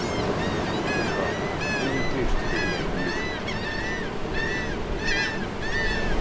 何か任意提出できない理由でも？